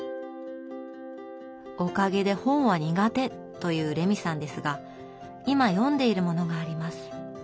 おかげで本は苦手というレミさんですが今読んでいるものがあります。